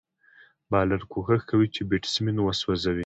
بالر کوښښ کوي، چي بېټسمېن وسوځوي.